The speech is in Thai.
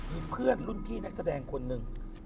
มีเพื่อนรุ่นพี่นักแสดงคนหนึ่ง